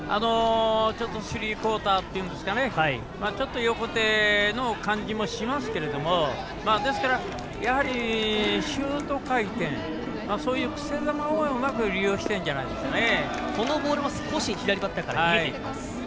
スリークオーターといいますか、ちょっと横手の感じもしますけどもシュート回転そういう癖球をうまく利用しているんじゃないですかね。